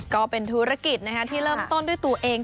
ก็เป็นธุรกิจที่เริ่มต้นด้วยตัวเอง